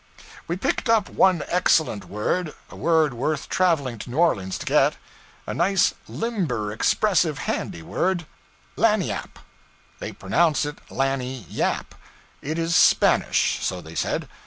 We picked up one excellent word a word worth traveling to New Orleans to get; a nice limber, expressive, handy word 'lagniappe.' They pronounce it lanny yap. It is Spanish so they said.